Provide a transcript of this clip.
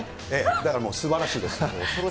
だからもう、すばらしいです。